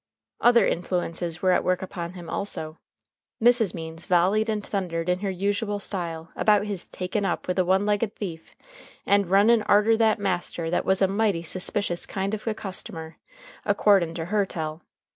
Other influences were at work upon him also. Mrs. Means volleyed and thundered in her usual style about his "takin' up with a one legged thief, and runnin' arter that master that was a mighty suspicious kind of a customer, akordin' to her tell.